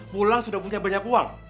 mula sudah punya banyak uang